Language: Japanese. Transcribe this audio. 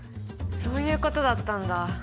そういうことだったんだ。